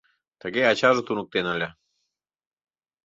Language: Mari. Тыге ачаже туныктен ыле.